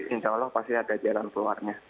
insya allah pasti ada jalan keluarnya